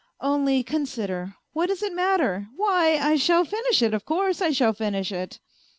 ! Only consider, what does it matter ? Why, I shall finish it, of course I shall finish it.